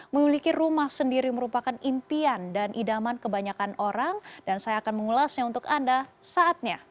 memiliki rumah sendiri merupakan impian dan idaman kebanyakan orang dan saya akan mengulasnya untuk anda saatnya